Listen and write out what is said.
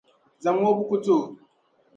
Zaŋmi O buku n ti o.